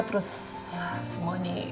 terus semua ini